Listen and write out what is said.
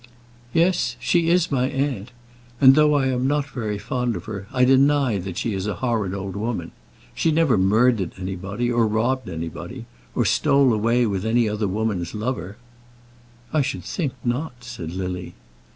"Yes; she is my aunt; and though I am not very fond of her, I deny that she is a horrid old woman. She never murdered anybody, or robbed anybody, or stole away any other woman's lover." "I should think not," said Lily.